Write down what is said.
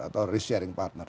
atau risk sharing partner